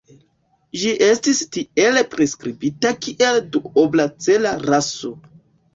Ĝi estis tiele priskribita kiel duobla-cela raso.